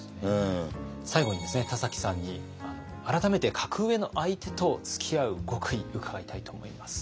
最後にですね田崎さんに改めて格上の相手とつきあう極意伺いたいと思います。